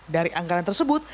dari anggaran tersebut